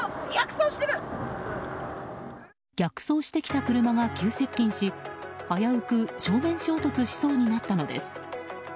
逆走してきた車が急接近し危うく正面衝突しそうになったのです。